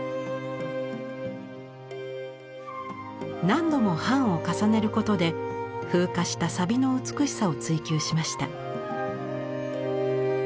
何度も版を重ねることで風化したさびの美しさを追求しました。